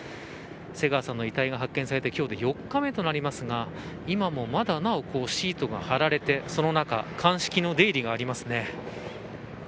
瀬川さんの遺体が発見されて今日で４日目となりますが今もまだなおシートが張られてその中鑑識の出入りがありますね。